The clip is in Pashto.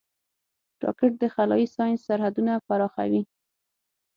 راکټ د خلایي ساینس سرحدونه پراخوي